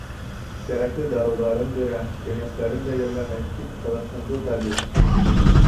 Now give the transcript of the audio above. Кәрәкле дарыуҙарын бирә, кәңәштәрен дә йәлләмәй. — тип ҡыҙыҡһынды табип.